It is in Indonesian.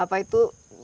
atau apa itu